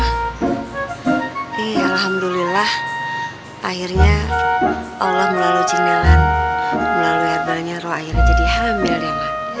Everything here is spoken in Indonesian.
tapi alhamdulillah akhirnya allah melalui cing nelan melalui herbalnya ruh akhirnya jadi hamil ya mak